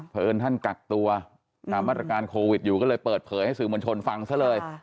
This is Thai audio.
เผินท่านกรรตัวนามอัตรกาลโควิดอยู่ก็เลยเปิดเผลอให้สื่อบริมันธนธนฟังซะเลย